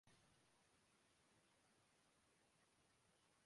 انفرادی طور پر ہندسوں کی چھٹائی کریں